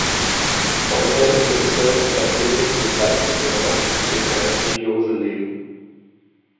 Bäume, Pilze und Bazillen sind Waldbewohner, die in einer Symbiose leben.